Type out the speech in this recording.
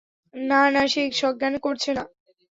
না, না, সে সজ্ঞানে করছে না।